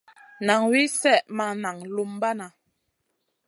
Nan wi slèh ma naŋ lumbana.